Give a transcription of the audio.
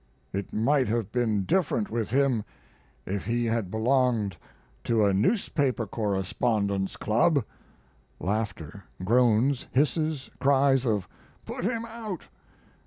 It might have been different with him if he had belonged to a newspaper correspondents' club. [Laughter, groans, hisses, cries of "put him out."